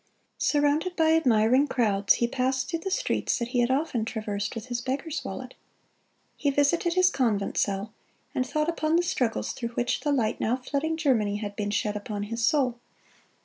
Surrounded by admiring crowds, he passed through the streets that he had often traversed with his beggar's wallet. He visited his convent cell, and thought upon the struggles through which the light now flooding Germany had been shed upon his soul.